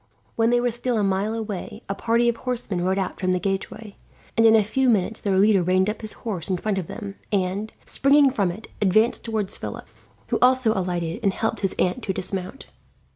When they were still a mile away, a party of horsemen rode out from the gateway, and in a few minutes their leader reined up his horse in front of them and, springing from it, advanced towards Philip, who also alighted and helped his aunt to dismount.